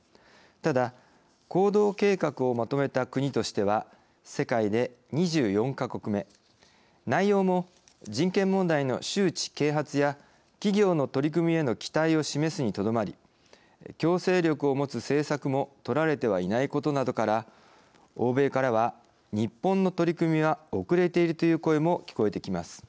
ただ、行動計画をまとめた国としては世界２４か国目内容も、人権問題の周知・啓発や企業の取り組みへの期待を示すにとどまり強制力を持つ政策も取られていないことなどから欧米からは日本の取り組みは遅れているという声も聞こえてきます。